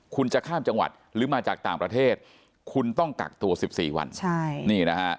คุณจะข้ามจังหวัดหรือมาจากต่างประเทศคุณต้องกักตัว๑๔วันใช่นี่นะฮะ